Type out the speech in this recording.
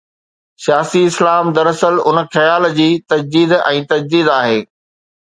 ’سياسي اسلام‘ دراصل ان خيال جي تجديد ۽ تجديد آهي.